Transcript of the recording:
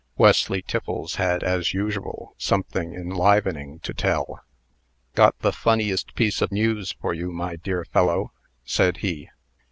Wesley Tiffles had, as usual, something enlivening to tell. "Got the funniest piece of news for you, my dear fellow!" said he.